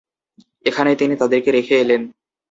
এখানেই তিনি তাদেরকে রেখে এলেন।